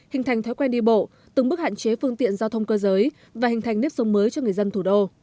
hình thành thói quen đi bộ từng bước hạn chế phương tiện giao thông cơ giới và hình thành nếp sông mới cho người dân thủ đô